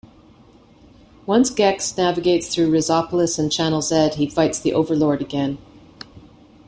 Once Gex navigates through Rezopolis and Channel Z, he fights the overlord again.